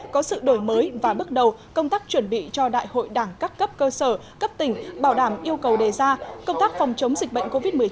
có sự đổi mới và bước đầu công tác chuẩn bị cho đại hội đảng các cấp cơ sở cấp tỉnh bảo đảm yêu cầu đề ra công tác phòng chống dịch bệnh covid một mươi chín